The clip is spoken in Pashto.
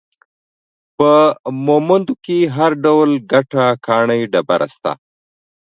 په مومند کې هر ډول ګټه ، کاڼي ، ډبره، شته